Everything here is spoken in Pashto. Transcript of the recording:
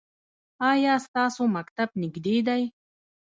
ایا ستاسو مکتب نږدې دی؟